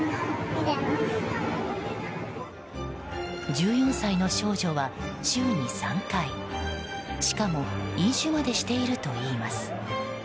１４歳の少女は週に３回しかも飲酒までしているといいます。